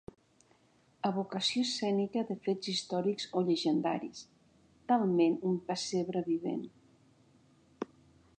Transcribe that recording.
Evocació escènica de fets històrics o llegendaris, talment un pessebre vivent.